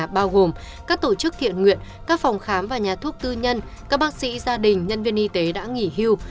bao gồm các tổ chức thiện nguyện các phòng khám và nhà thuốc tư nhân các bác sĩ gia đình nhân viên y tế đã nghỉ hưu